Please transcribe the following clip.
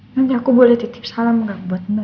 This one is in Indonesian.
nanti aku boleh titip salam nggak buat mandi